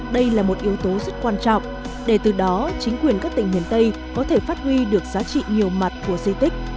đây là một yếu tố rất quan trọng để từ đó chính quyền các tỉnh miền tây có thể phát huy được giá trị nhiều mặt của di tích